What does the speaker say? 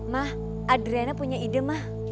mah adriana punya ide mah